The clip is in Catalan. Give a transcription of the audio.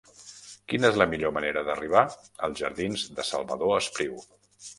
Quina és la millor manera d'arribar als jardins de Salvador Espriu?